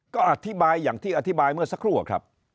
ก็อธิบายอย่างที่อธิบายเมื่อสักครู่ครับ